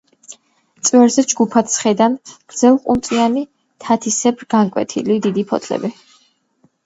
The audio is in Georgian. წვერზე ჯგუფად სხედან გრძელყუნწიანი, თათისებრ განკვეთილი დიდი ფოთლები.